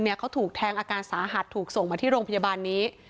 เขาถูกแทงอาการสาหัสถูกส่งมาที่โรงพยาบาลนี้